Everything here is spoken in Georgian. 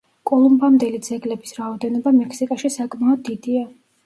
კოლუმბამდელი ძეგლების რაოდენობა მექსიკაში საკმაოდ დიდია.